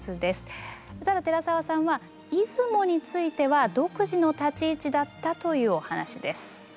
ただ寺澤さんは出雲については独自の立ち位置だったというお話です。